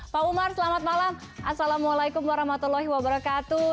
pak umar selamat malam assalamualaikum warahmatullahi wabarakatuh